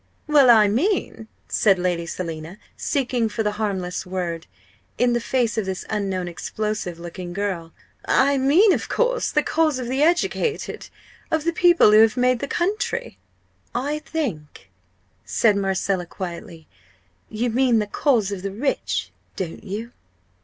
"Well, I mean " said Lady Selina, seeking for the harmless word, in the face of this unknown explosive looking girl "I mean, of course, the cause of the educated of the people who have made the country." "I think," said Marcella, quietly, "you mean the cause of the rich, don't you?"